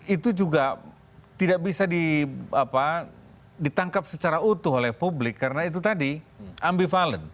itu juga tidak bisa ditangkap secara utuh oleh publik karena itu tadi ambivalen